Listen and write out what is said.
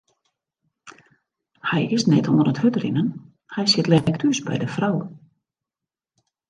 Hy is net oan it hurdrinnen, hy sit lekker thús by de frou.